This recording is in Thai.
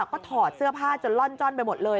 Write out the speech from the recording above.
ก็ถอดเสื้อผ้าจนล่อนจ้อนไปหมดเลย